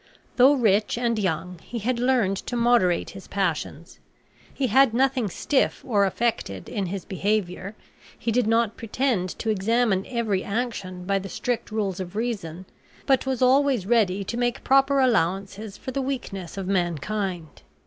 Though rich and young, he had learned to moderate his passions; he had nothing stiff or affected in his behavior, he did not pretend to examine every action by the strict rules of reason, but was always ready to make proper allowances for the weakness of mankind.